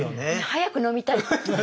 早く飲みたい。